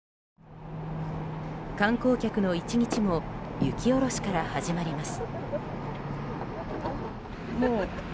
観光客の１日も雪下ろしから始まります。